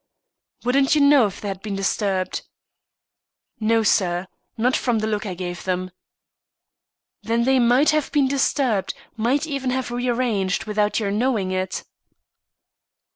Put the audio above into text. "Wouldn't you know if they had been disturbed?" "No, sir not from the look I gave them." "Then they might have been disturbed might even have been rearranged without your knowing it?"